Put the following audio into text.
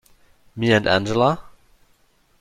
Me and Angela?